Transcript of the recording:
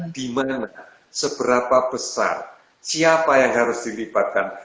di mana seberapa besar siapa yang harus dilibatkan